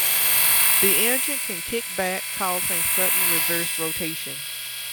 The engine can kick back, causing sudden reverse rotation.